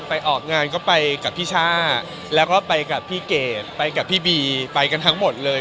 ออกงานก็ไปกับพี่ช่าแล้วก็ไปกับพี่เกดไปกับพี่บีไปกันทั้งหมดเลย